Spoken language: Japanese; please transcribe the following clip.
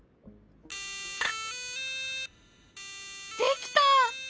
できた！